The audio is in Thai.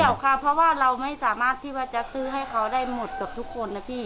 หรอกค่ะเพราะว่าเราไม่สามารถที่ว่าจะซื้อให้เขาได้หมดเกือบทุกคนนะพี่